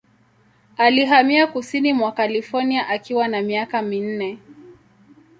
Alihamia kusini mwa California akiwa na miaka minne.